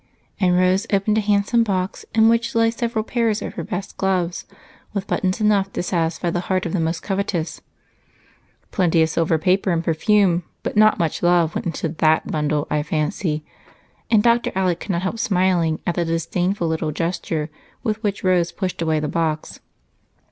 And Rose opened a handsome box in which lay several pairs of her best gloves, with buttons enough to satisfy the heart of the most covetous. "Plenty of silver paper and perfume, but not much love went into that bundle, I fancy?" And Dr. Alec could not help smiling at the disdainful little gesture with which Rose pushed away the box.